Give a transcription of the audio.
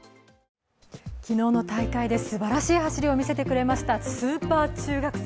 昨日の大会ですばらしい走りを見せてくれましたスーパー中学生